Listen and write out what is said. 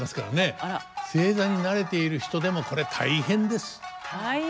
正座に慣れている人でもこれ大変です。